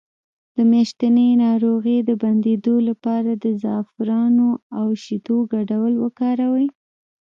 د میاشتنۍ ناروغۍ د بندیدو لپاره د زعفران او شیدو ګډول وکاروئ